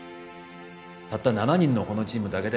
たった７人のこのチームだけで